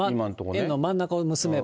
円の真ん中を結べば。